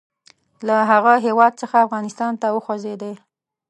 له هغه هیواد څخه افغانستان ته وخوځېدی.